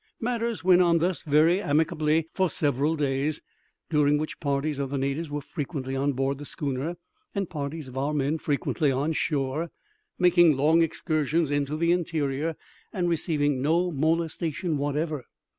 Matters went on thus very amicably for several days, during which parties of the natives were frequently on board the schooner, and parties of our men frequently on shore, making long excursions into the interior, and receiving no molestation whatever.